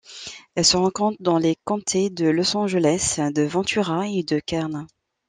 Elle se rencontre dans les comtés de Los Angeles, de Ventura et de Kern.